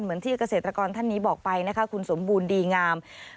เหมือนที่เกษตรกรท่านนี้บอกไปนะคะคุณสมบูรณ์ดีงาม